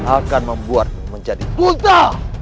akan membuat menjadi buta